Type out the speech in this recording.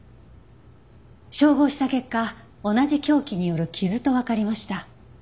照合した結果同じ凶器による傷とわかりました。